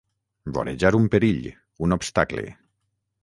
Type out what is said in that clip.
Vorejar un perill, un obstacle.